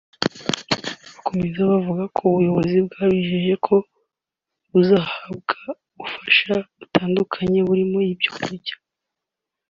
Bakomeza bavuga ko ubuyobozi bwabijeje ko bazahabwa ubufasha butandukanye burimo ibyo kurya